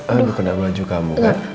aduh kena baju kamu kak